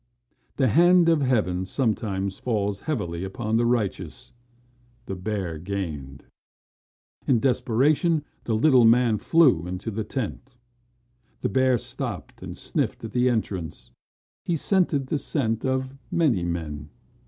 The hand of heaven sometimes falls heavily upon the righteous. The bear gained. In desperation the little man flew into the tent. The bear stopped and sniffed at the entrance. He scented the scent of many men.